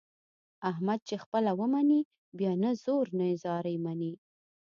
احمد چې خپله ومني بیا نه زور نه زارۍ مني.